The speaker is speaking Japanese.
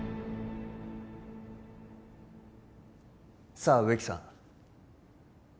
さあ植木さん